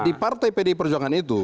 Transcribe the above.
di partai pdi perjuangan itu